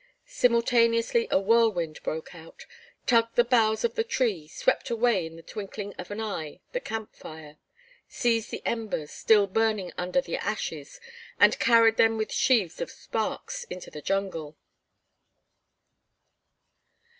Simultaneously a whirlwind broke out, tugged the boughs of the tree, swept away in the twinkling of an eye the camp fire, seized the embers, still burning under the ashes, and carried them with sheaves of sparks into the jungle.